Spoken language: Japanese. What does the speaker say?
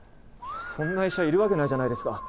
そんな医者いるわけないじゃないですか。